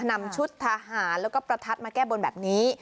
นำชุดทหารแล้วก็ประทัดมาแก้บนแบบนี้